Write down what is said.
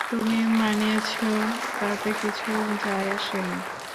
তুমি বানিয়েছ, তাতে কিছু যায় আসে না।